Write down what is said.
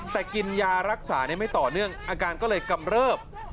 แต่กินยารักษาไม่ต่อเนื่องอาการก็เลยกำเริบ